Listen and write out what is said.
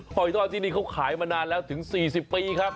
หอยทอดที่นี่เขาขายมานานแล้วถึง๔๐ปีครับ